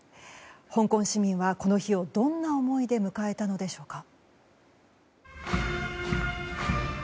香港市民はこの日をどんな思いで迎えたのでしょうか。